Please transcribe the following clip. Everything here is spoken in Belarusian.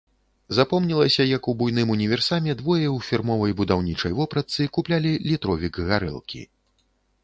Запомнілася, як у буйным універсаме двое ў фірмовай будаўнічай вопратцы куплялі літровік гарэлкі.